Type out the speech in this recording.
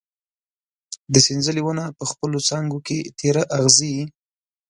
د سنځلې ونه په خپلو څانګو کې تېره اغزي